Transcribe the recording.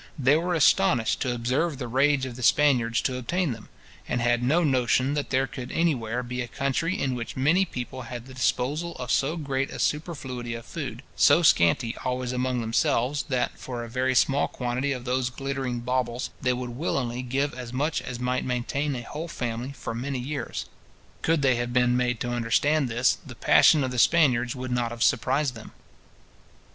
They were astonished to observe the rage of the Spaniards to obtain them; and had no notion that there could anywhere be a country in which many people had the disposal of so great a superfluity of food; so scanty always among themselves, that, for a very small quantity of those glittering baubles, they would willingly give as much as might maintain a whole family for many years. Could they have been made to understand this, the passion of the Spaniards would not have surprised them.